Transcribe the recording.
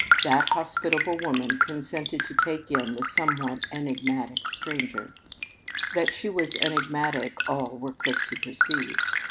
That hospitable woman consented to take in the somewhat enigmatic stranger. That she was enigmatic all were quick to perceive.